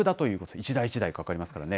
一台一台かかりますからね。